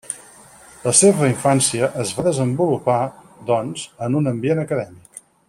La seva infància es va desenvolupar, doncs, en un ambient acadèmic.